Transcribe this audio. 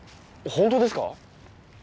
本当ですか？